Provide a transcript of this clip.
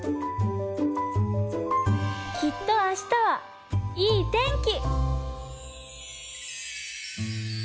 きっと明日はいい天気。